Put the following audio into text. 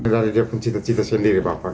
dari dia pun cita cita sendiri bapak